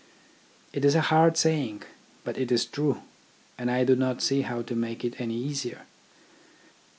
It is a hard saying, but it is true; and I do not see how to make it any easier.